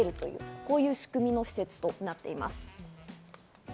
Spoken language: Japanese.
こういう仕組みの施設となっています。